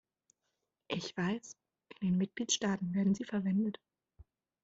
Ich weiß, in den Mitgliedstaaten werden sie verwendet.